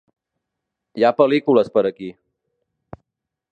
Hi ha pel·lícules per aquí